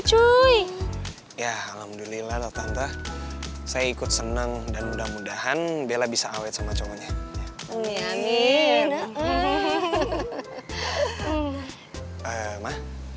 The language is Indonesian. cuy ya alhamdulillah latanta saya ikut senang dan mudah mudahan bella bisa awet sama cowoknya